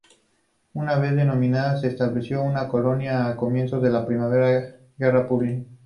Una vez dominada se estableció una colonia a comienzos de la primera guerra púnica.